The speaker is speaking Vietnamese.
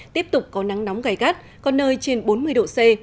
tiếp tục có nắng nóng gai gắt có nơi trên bốn mươi độ c